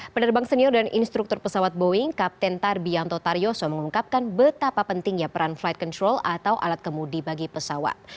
penerbang senior dan instruktur pesawat boeing kapten tarbianto taryoso mengungkapkan betapa pentingnya peran flight control atau alat kemudi bagi pesawat